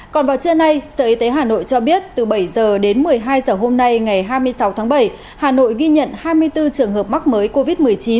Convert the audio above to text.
còn vào trưa nay sở y tế hà nội cho biết từ bảy h đến một mươi hai h hôm nay ngày hai mươi sáu tháng bảy hà nội ghi nhận hai mươi bốn trường hợp mắc mới covid một mươi chín